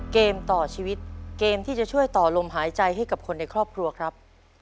เกมต่อชีวิตเกมที่จะช่วยต่อลมหายใจให้กับคนในครอบครัวครับ